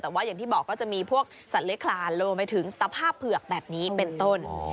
แต่ว่าอย่างที่บอกก็จะมีพวกสัตว์เล็กคลานรวมไปถึงตะภาพเผือกแบบนี้เป็นต้น